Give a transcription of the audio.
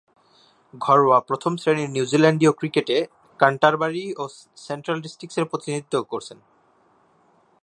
ঘরোয়া প্রথম-শ্রেণীর নিউজিল্যান্ডীয় ক্রিকেটে ক্যান্টারবারি ও সেন্ট্রাল ডিস্ট্রিক্টসের প্রতিনিধিত্ব করেছেন।